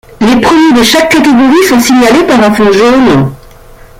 Les premiers de chaque catégorie sont signalés par un fond jaune.